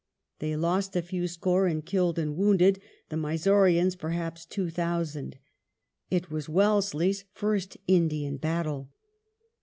They lost a few score in killed and wounded ; the Mysoreans perhaps two thousand. It was Wellesley's first Indian battle.